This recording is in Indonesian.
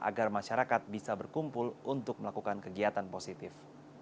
agar masyarakat bisa berkumpul untuk melakukan kegiatan positif